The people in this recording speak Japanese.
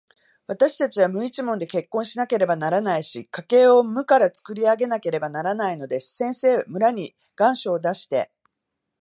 わたしたちは無一文で結婚しなければならないし、家計を無からつくり上げなければならないのです。先生、村に願書を出して、